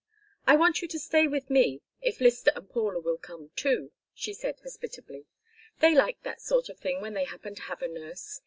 "I want you to stay with me if Lyster and Paula will come too," she said, hospitably. "They like that sort of thing when they happen to have a nurse.